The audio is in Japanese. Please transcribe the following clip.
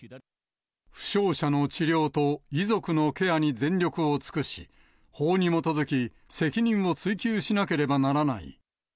負傷者の治療と遺族のケアに全力を尽くし、法に基づき、責任を追及しなければならない。